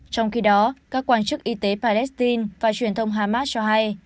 trong khi đó các quan chức y tế palestine và truyền thông hamas cho hay